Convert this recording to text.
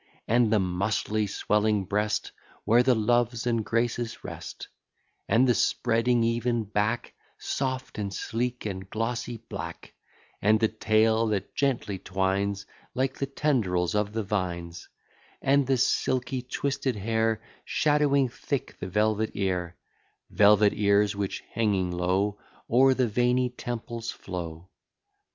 And the muscly swelling breast, Where the Loves and Graces rest; And the spreading even back, Soft, and sleek, and glossy black; And the tail that gently twines, Like the tendrils of the vines; And the silky twisted hair, Shadowing thick the velvet ear; Velvet ears, which, hanging low, O'er the veiny temples flow.